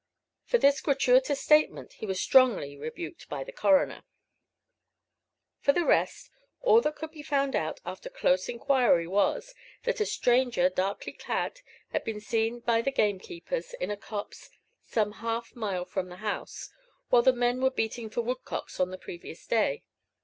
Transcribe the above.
For this gratuitous statement, he was strongly rebuked by the coroner. For the rest, all that could be found out, after close inquiry, was, that a stranger darkly clad had been seen by the gamekeepers, in a copse some half mile from the house, while the men were beating for woodcocks on the previous day.